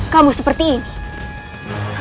kamu seperti ini